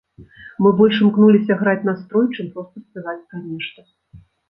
Мы больш імкнуліся граць настрой, чым проста спяваць пра нешта.